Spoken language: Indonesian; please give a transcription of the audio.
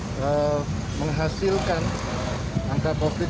polres metro bekasi rencananya menggelar tes antigen ini